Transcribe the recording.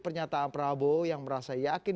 pernyataan prabowo yang merasa yakin